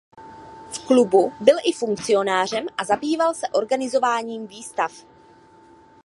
V klubu byl i funkcionářem a zabýval se organizováním výstav.